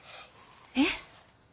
えっ？